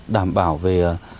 đảm bảo về